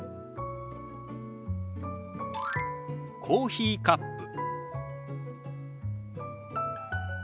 「コーヒーカップ」。